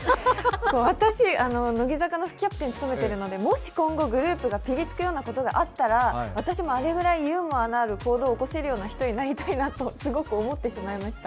私、乃木坂のキャプテンを務めているのでもし今後、グループがぴりつくようなことがあったら私もあれぐらいユーモアのある行動を起こせる人になりたいなとすごく思ってしまいました。